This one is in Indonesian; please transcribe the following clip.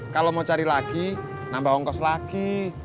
kalau mau cari lagi nambah ongkos lagi